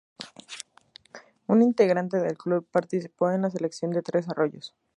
Un integrante del club participó en la selección de Tres Arroyos.